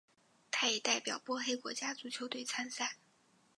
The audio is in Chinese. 他也代表波黑国家足球队参赛。